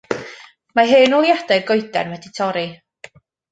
Mae hen oleuadau'r goeden wedi torri.